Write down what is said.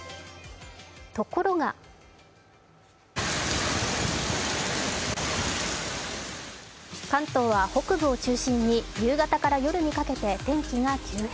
ところが関東は北部を中心に夕方から夜にかけて天気が急変。